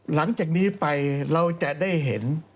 หลังจากนี้ไปเราจะได้เห็น